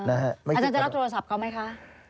อาจารย์จะรับโทรศัพท์เขาไหมคะ